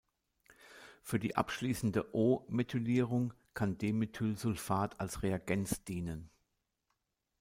Für die abschließende "O"-Methylierung kann Dimethylsulfat als Reagenz dienen.